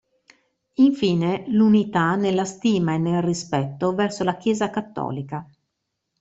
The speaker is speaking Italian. Infine, l'unità nella stima e nel rispetto verso la chiesa cattolica.